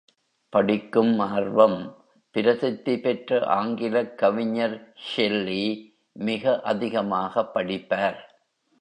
படிக்கும் ஆர்வம் பிரசித்தி பெற்ற ஆங்கிலக் கவிஞர் ஷெல்லி மிக அதிகமாகப் படிப்பார்.